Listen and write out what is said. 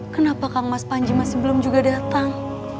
kenapa kang mas panji masih belum juga datang